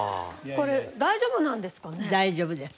これ大丈夫なんですかね？